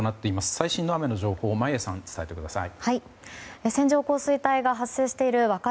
最新の雨の情報眞家さん、伝えてください。